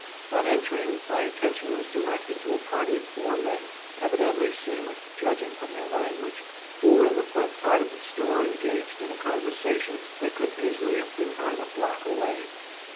On entering, my attention was directed to a party of four men, evidently seamen, judging from their language, who were in the front part of the store engaged in a conversation that could easily have been heard a block away.